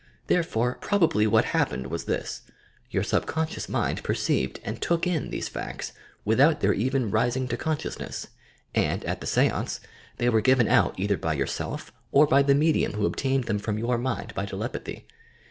Therefore, probably what happened was this: Your subconscious mind perceived and "took in" these facts without their even rising to consciousness, and, at the seance, they were given out either by yourself, or by the medium who obtained them from your mind by telepathy.